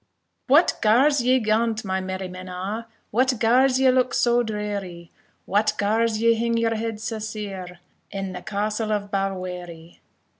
What gars ye gaunt, my merrymen a'? What gars ye look sae dreary? What gars ye hing your head sae sair In the castle of Balwearie?